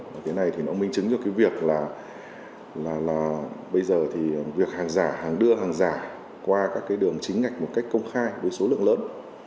và cái này thì nó minh chứng cho việc hàng giả hàng đưa hàng giả qua các đường chính ngạch một cách công khai với số lượng lớn